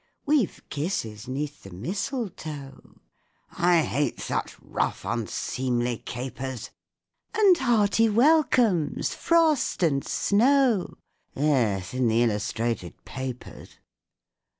_) We've kisses 'neath the mistletoe (I hate such rough, unseemly capers!) And hearty welcomes, frost and snow; (_Yes, in the illustrated papers.